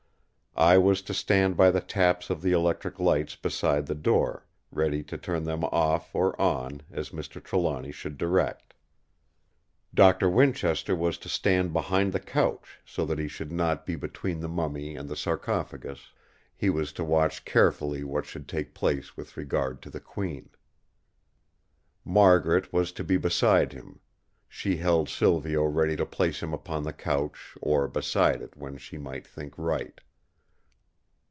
I was to stand by the taps of the electric lights beside the door, ready to turn them off or on as Mr. Trelawny should direct. Doctor Winchester was to stand behind the couch so that he should not be between the mummy and the sarcophagus; he was to watch carefully what should take place with regard to the Queen. Margaret was to be beside him; she held Silvio ready to place him upon the couch or beside it when she might think right.